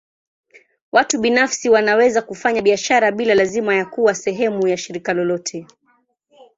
Watu binafsi wanaweza kufanya biashara bila lazima ya kuwa sehemu ya shirika lolote.